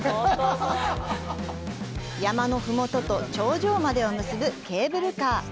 山の麓と頂上までを結ぶケーブルカー。